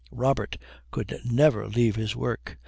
"Robert could never leave his work."